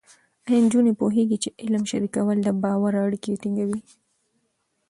ایا نجونې پوهېږي چې علم شریکول د باور اړیکې ټینګوي؟